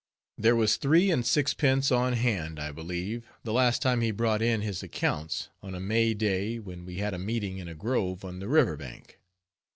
There was three and sixpence on hand, I believe, the last time he brought in his accounts, on a May day, when we had a meeting in a grove on the river bank.